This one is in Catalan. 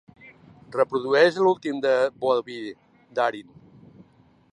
Reprodueix l'últim de Bobby Darin.